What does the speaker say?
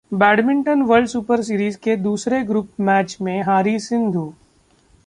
badminton: world super series के दूसरे group match में हारीं सिंधु